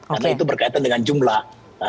karena itu berkaitan dengan jumlah